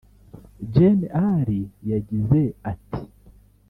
Gen Ali yagize ati